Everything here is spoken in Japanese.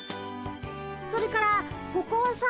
それからここはさ。